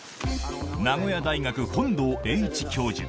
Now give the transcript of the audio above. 名古屋大学、本道栄一教授。